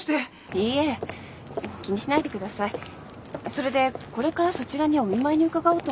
それでこれからそちらにお見舞いに伺おうと思うんですが。